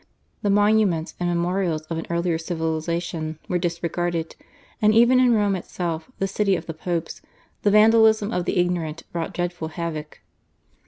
The monuments and memorials of an earlier civilisation were disregarded, and even in Rome itself, the City of the Popes, the vandalism of the ignorant wrought dreadful havoc.